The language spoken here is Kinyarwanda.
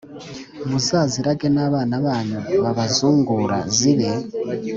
Muzazirage n abana banyu babazungura zibe